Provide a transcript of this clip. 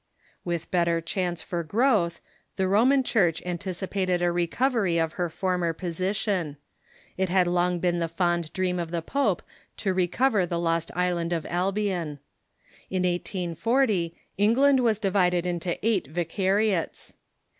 * With better chance for growth, the Roman Church antici pated a recovery of her former position. It had long been the Decay of the fond dream of the })ope to recover the lost island Catholic Church of Albion. In 1840 England was divided into ng an eight vicariates.